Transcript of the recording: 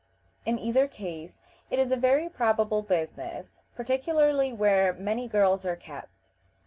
In either case it is a very profitable business, particularly where many girls are kept.